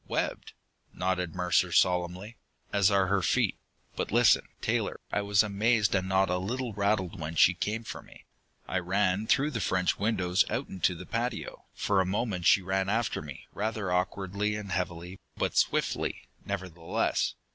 "Webbed," nodded Mercer solemnly. "As are her feet. But listen, Taylor. I was amazed, and not a little rattled when she came for me. I ran through the French windows out into the patio. For a moment she ran after me, rather awkwardly and heavily, but swiftly, nevertheless.